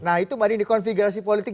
nah itu mbak dini konfigurasi politik